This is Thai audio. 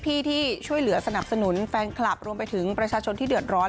ที่ช่วยเหลือสนับสนุนแฟนคลับรวมไปถึงประชาชนที่เดือดร้อน